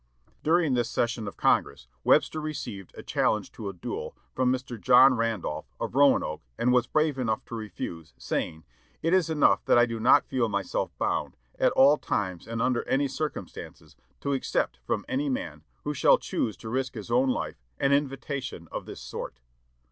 During this session of Congress, Webster received a challenge to a duel from John Randolph of Roanoke, and was brave enough to refuse, saying, "It is enough that I do not feel myself bound, at all times and under any circumstances, to accept from any man, who shall choose to risk his own life, an invitation of this sort."